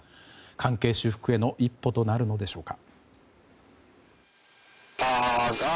関係修復への一歩となるんでしょうか。